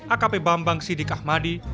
akp bambang sidik ahmadi